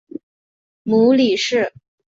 母李氏。